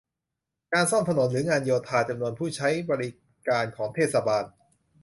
การซ่อมถนน หรือ งานโยธา จำนวนผู้ใช้บริการของเทศบาล